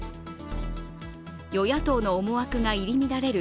与野党の思惑が入り乱れる